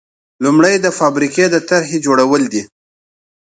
لومړی د فابریکې د طرحې جوړول دي.